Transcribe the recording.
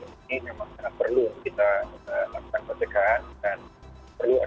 ini memang sangat perlu kita lakukan pencegahan dan perlindungan